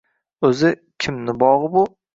— O’zi, kimni bog‘i bu?